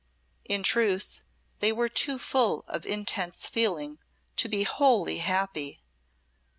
In truth they were too full of intense feeling to be wholly happy.